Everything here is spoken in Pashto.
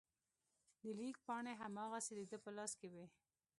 د لیک پاڼې هماغسې د ده په لاس کې وې.